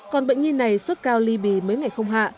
còn bệnh nhi này suốt cao ly bì mấy ngày không hạ